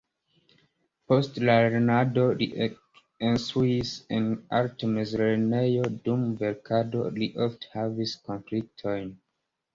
Post la lernado li ekinstruis en arta mezlernejo, dum verkado li ofte havis konfliktojn.